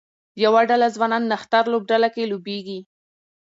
یوه ډله ځوانان نښتر لوبډله کې لوبیږي